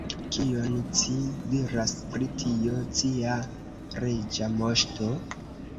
Kion ci diras pri tio, cia Reĝa Moŝto?